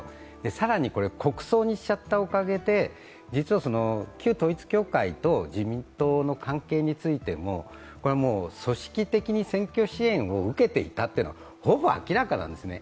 更に、国葬にしちゃったおかげで実は旧統一教会と自民党の関係についても組織的に選挙支援を受けていたというのはほぼ明らかなんですね。